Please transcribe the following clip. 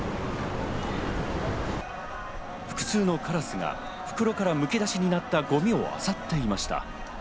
複数のカラスが袋からむき出しになったゴミを漁っていました。